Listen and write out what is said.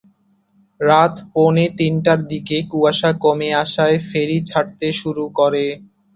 রাত পৌনে তিনটার দিকে কুয়াশা কমে আসায় ফেরি ছাড়তে শুরু করে।